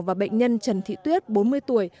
và bệnh nhân trần thị tuyết bốn mươi tuổi